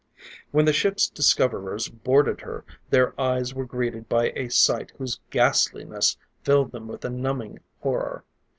When the ship's discoverers boarded her, their eyes were greeted by a sight whose ghastliness filled them with a numbing horror.